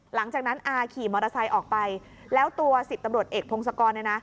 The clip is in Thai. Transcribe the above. หลังจากนั้นอาขี่มอเตอร์ไซค์ออกไปแล้วตัวสิบตำรวจเอกพงศกรเนี่ยนะ